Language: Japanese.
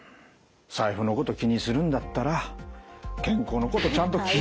財布のこと気にするんだったら健康のことをちゃんと気ぃ